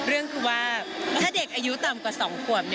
เรื่องคือว่าถ้าเด็กอายุต่ำกว่า๒ขวบ